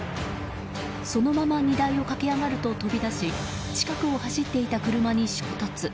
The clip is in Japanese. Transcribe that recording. そのまま荷台を駆け上がると飛び出し近くを走っていた車に衝突。